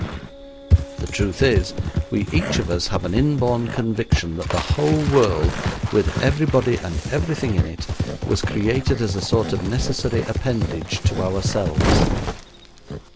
The truth is, we each of us have an inborn conviction that the whole world, with everybody and everything in it, was created as a sort of necessary appendage to ourselves.